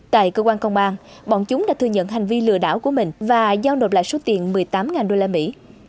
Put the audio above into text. tại cơ quan công an bọn chúng đã thừa nhận hành vi lừa đảo của mình và giao nộp lại số tiền một mươi tám đô la mỹ